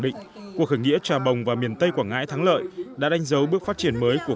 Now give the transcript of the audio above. định cuộc khởi nghĩa trà bồng và miền tây quảng ngãi thắng lợi đã đánh dấu bước phát triển mới của